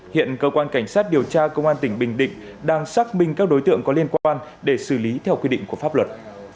hiện cơ quan cảnh sát điều tra công an tỉnh bình định đang xác minh các đối tượng có liên quan để xử lý theo quy định của pháp luật